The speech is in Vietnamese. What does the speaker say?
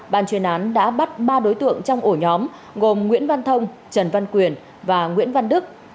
ban chuyên án đã bắt ba đối tượng trong ổ nhóm gồm nguyễn văn thông trần văn quyền và nguyễn văn đức